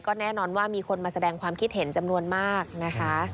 แน่นอนว่ามีคนมาแสดงความคิดเห็นจำนวนมากนะคะ